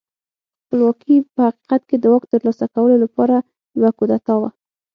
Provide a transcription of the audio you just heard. خپلواکي په حقیقت کې د واک ترلاسه کولو لپاره یوه کودتا وه.